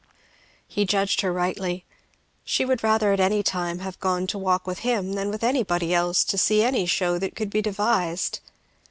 He judged her rightly. She would rather at any time have gone to walk with him, than with anybody else to see any show that could be devised.